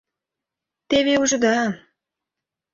Теве ужыда...